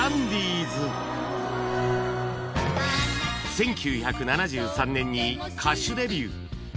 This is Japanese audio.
１９７３年に歌手デビュー